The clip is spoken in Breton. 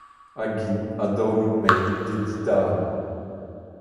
Hag int a daolioù mein d'he didalañ.